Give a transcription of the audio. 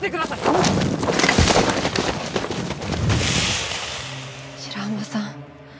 うわっ白浜さん